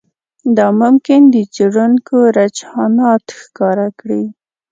دا ممکن د څېړونکو رجحانات ښکاره کړي